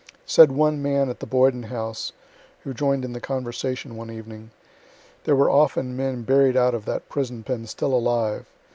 Said one old man at the Boyden House, who join'd in the conversation one evening: 'There were often men buried out of that prison pen still alive.